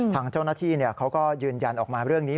ทางเจ้าหน้าที่เขาก็ยืนยันออกมาเรื่องนี้